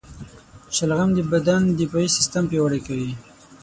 شلغم د بدن دفاعي سیستم پیاوړی کوي.